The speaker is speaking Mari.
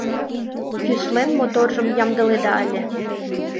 Кӱслем моторжым ямдыледа ыле.